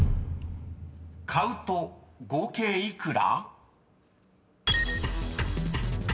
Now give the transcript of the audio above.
［買うと合計幾ら？］